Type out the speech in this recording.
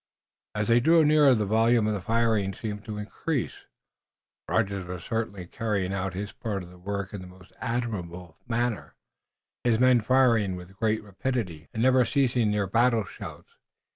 As they drew nearer the volume of the firing seemed to increase. Rogers was certainly carrying out his part of the work in the most admirable manner, his men firing with great rapidity and never ceasing their battle shouts.